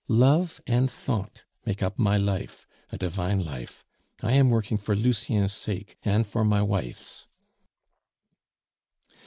Love and thought make up my life a divine life. I am working for Lucien's sake and for my wife's."